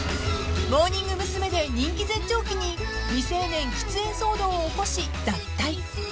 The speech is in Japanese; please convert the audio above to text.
［モーニング娘。で人気絶頂期に未成年喫煙騒動を起こし脱退］